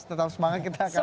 tetap semangat kita akan